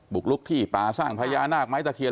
กลุกที่ป่าสร้างพญานาคไม้ตะเคียน